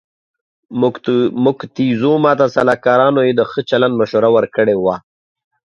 موکتیزوما ته سلاکارانو یې د ښه چلند مشوره ورکړې وه.